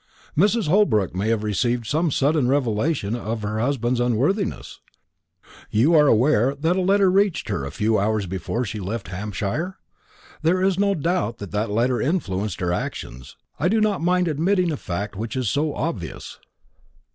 "Mrs. Holbrook may have received some sudden revelation of her husband's unworthiness. You are aware that a letter reached her a few hours before she left Hampshire? There is no doubt that letter influenced her actions. I do not mind admitting a fact which is so obvious."